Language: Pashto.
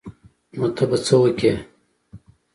نو ته به څه وکې.